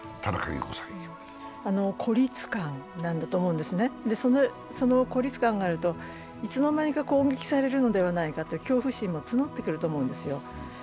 孤立感なんだと思うんですね、その孤立感があると、いつの間にか攻撃されるのではないかと恐怖心も募ってくると思うんですよ。